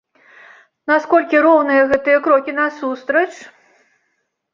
Наколькі роўныя гэта крокі насустрач?